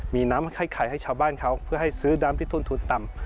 มีน้ำให้ไข่ให้ชาวบ้านเขาเพื่อให้ซื้อน้ำที่ต้นทุนต่ำ